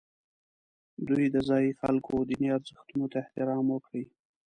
دوی د ځایي خلکو دیني ارزښتونو ته احترام وکړي.